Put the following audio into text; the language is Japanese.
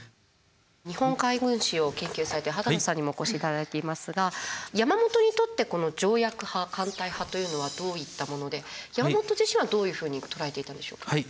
日本海軍史を研究されてる畑野さんにもお越しいただいていますが山本にとってこの条約派艦隊派というのはどういったもので山本自身はどういうふうに捉えていたんでしょうか？